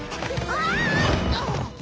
あっ！